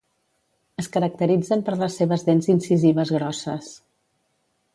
Es caracteritzen per les seves dents incisives grosses.